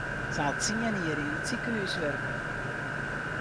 Se hat tsien jier yn it sikehús wurke.